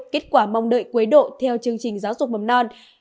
kết quả mong đợi cuối độ theo chương trình giáo dục mầm non